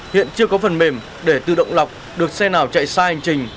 hiện chưa có phần mềm để tự động lọc được xe nào chạy xa hành trình